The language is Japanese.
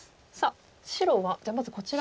白はじゃあまずこちら。